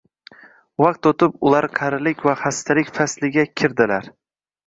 Vaqt o’tib, ular qarilik va xastalik fasliga kirdilar.